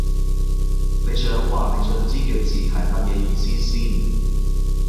你想話你想知嘅字係乜嘢意思先